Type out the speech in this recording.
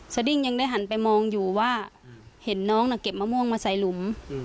ดิ้งยังได้หันไปมองอยู่ว่าเห็นน้องน่ะเก็บมะม่วงมาใส่หลุม